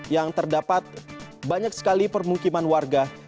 yang terdapat banyak sekali permukiman warga